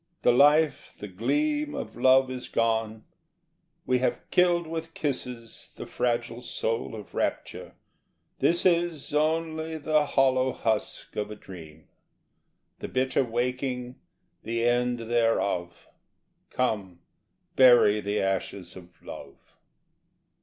The life, the gleam Of love is gone: we have killed with kisses The fragile soul of rapture: this is Only the hollow husk of a dream, The bitter waking, the end thereof. Come, bury the ashes of love.